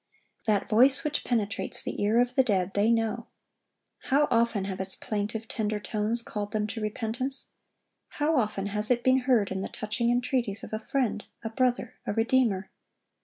That voice which penetrates the ear of the dead, they know. How often have its plaintive, tender tones called them to repentance. How often has it been heard in the touching entreaties of a friend, a brother, a Redeemer.